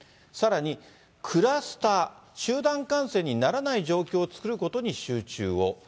さらにクラスター・集団感染にならない状況を作ることに集中を。